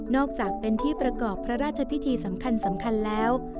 อกจากเป็นที่ประกอบพระราชพิธีสำคัญแล้ว